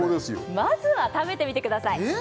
まずは食べてみてくださいえっ！？